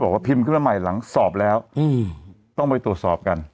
พิมพ์ขึ้นมาใหม่หลังสอบแล้วต้องไปตรวจสอบกัน